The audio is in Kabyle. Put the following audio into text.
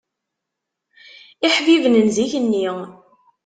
Iḥbiben n zik-nni